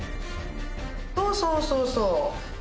そうそうそうそう